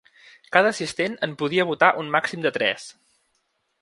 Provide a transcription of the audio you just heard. Cada assistent en podia votar un màxim de tres.